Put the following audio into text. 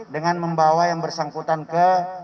dengan membawa yang bersangkutan ke